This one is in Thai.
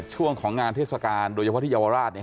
ช่วงของงานเทศกาลโดยเฉพาะที่เยาวราช